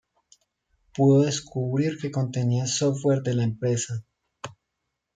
pudo descubrir que contenía software de la empresa